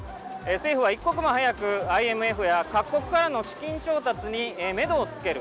政府は一刻も早くＩＭＦや各国からの資金調達にめどをつける。